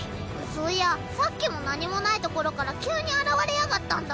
そういやさっきも何もない所から急に現れやがったんだ。